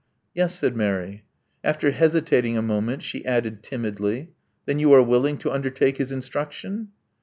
" •*Yes," said Mary. After hesitating a moment she added timidly, Then you are willing to undertake his instruction?"